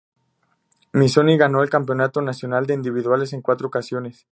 Missoni ganó el campeonato nacional de individuales en cuatro ocasiones.